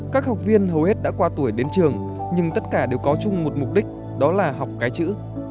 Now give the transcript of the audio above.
các học viên hầu hết đã qua tuổi đến trường nhưng tất cả đều có chung một mục đích đó là học cái chữ